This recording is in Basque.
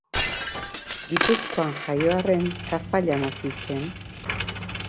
Gipuzkoan jaio arren Tafallan hazi zen.